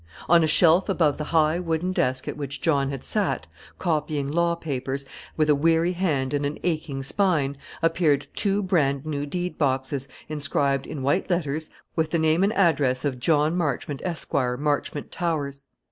On a shelf above the high wooden desk at which John had sat, copying law papers, with a weary hand and an aching spine, appeared two bran new deed boxes, inscribed, in white letters, with the name and address of JOHN MARCHMONT, ESQ., MARCHMONT TOWERS.